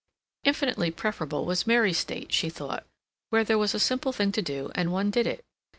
Infinitely preferable was Mary's state, she thought, where there was a simple thing to do and one did it.